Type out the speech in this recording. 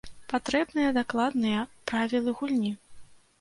Патрэбныя дакладныя правілы гульні.